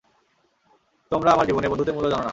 তোমরা আমার জীবনে, বন্ধুত্বের মূল্য জানো না।